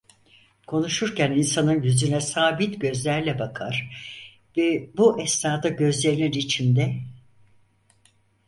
Konuşurken insanın yüzüne sabit gözlerle bakar ve bu esnada gözlerinin içinde: